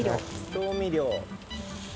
調味料。